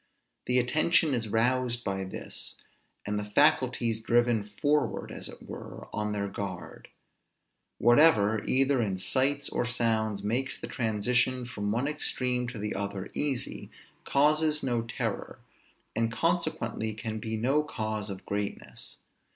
The attention is roused by this; and the faculties driven forward, as it were, on their guard. Whatever, either in sights or sounds, makes the transition from one extreme to the other easy, causes no terror, and consequently can be no cause of greatness.